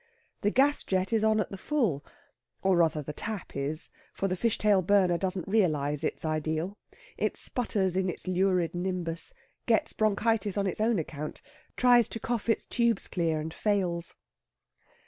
The gas jet is on at the full or rather the tap is, for the fish tail burner doesn't realise its ideal. It sputters in its lurid nimbus gets bronchitis on its own account, tries to cough its tubes clear and fails.